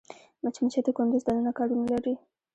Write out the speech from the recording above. مچمچۍ د کندو دننه کارونه لري